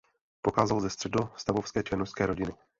Pocházel ze středostavovské černošské rodiny.